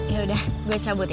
yaudah gue cabut ya